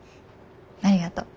ありがとう。